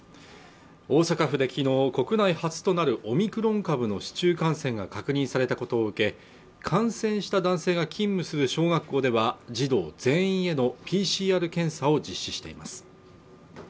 大阪府できのう国内初となるオミクロン株の市中感染が確認されたことを受け感染した男性が勤務する小学校では児童全員のＰＣＲ検査を実施しています